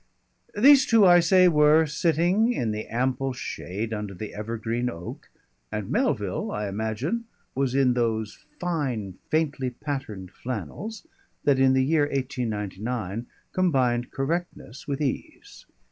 These two, I say, were sitting in the ample shade under the evergreen oak, and Melville, I imagine, was in those fine faintly patterned flannels that in the year 1899 combined correctness with ease.